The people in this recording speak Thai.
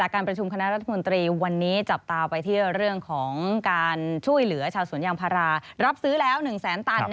ครามสุดจากทำเนียมรัฐบาล